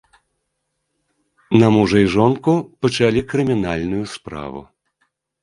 На мужа і жонку пачалі крымінальную справу.